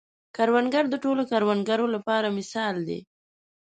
کروندګر د ټولو کروندګرو لپاره مثال دی